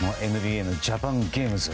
ＮＢＡのジャパンゲームズ